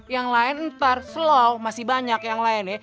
yang lain ntar slow masih banyak yang lainnya